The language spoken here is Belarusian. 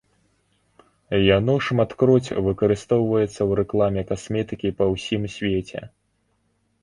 Яно шматкроць выкарыстоўваецца ў рэкламе касметыкі па ўсім свеце.